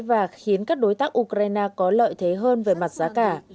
và khiến các đối tác ukraine có lợi thế hơn về mặt giá cả